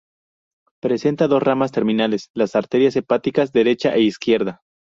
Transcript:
Presenta dos ramas terminales: las arterias hepáticas derecha e izquierda.